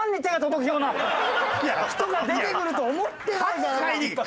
人が出てくると思ってないから。